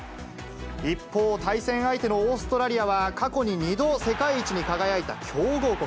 一方、対戦相手のオーストラリアは、過去に２度世界一に輝いた強豪国。